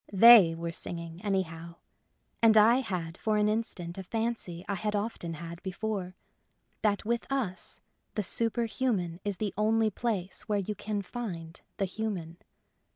They were singing anyhow ; and I had for an instant a fancy I had often had before : that with us the superhuman is the only place where you can find the human.